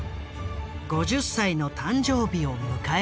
５０歳の誕生日を迎えた時。